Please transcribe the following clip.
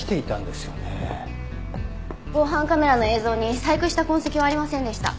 防犯カメラの映像に細工した痕跡はありませんでした。